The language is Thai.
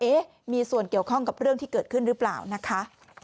เอ๊ะมีส่วนเกี่ยวข้องกับเรื่องที่เกิดขึ้นหรือเปล่านะคะ